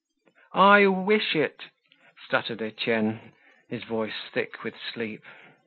'" "I wish it!" stuttered Etienne, his voice thick with sleep.